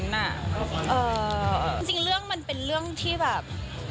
จริงเรื่องมันเป็นเรื่องที่แบบ